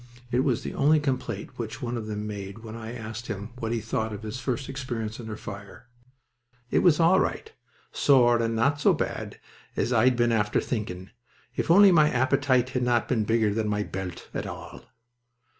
It was the only complaint which one of them made when I asked him what he thought of his first experience under fire. "It was all right, sorr, and not so bad as I'd been after thinking, if only my appetite had not been bigger than my belt, at all."